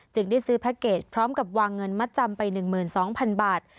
ได้ซื้อแพ็คเกจพร้อมกับวางเงินมัดจำไป๑๒๐๐๐บาท